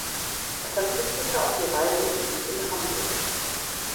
Er verzichtete auf die Reise und blieb in Hamburg.